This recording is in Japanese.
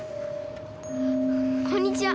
こんにちは。